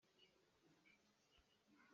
Si thawl kha a chin na chinh lai.